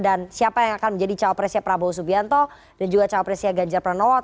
dan siapa yang akan menjadi cawapresnya prabowo subianto dan juga cawapresnya ganjar pranowo